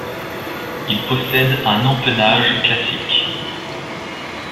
Il possède un empennage classique.